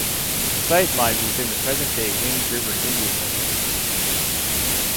The site lies within the present-day Wind River Indian Reservation.